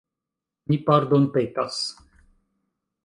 Mi pardonpetas!